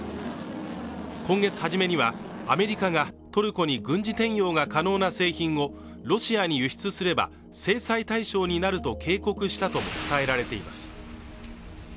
今月初めにはアメリカがトルコに軍事転用が可能な製品をロシアに輸出すれば制裁対象になると警告したとも伝えられています。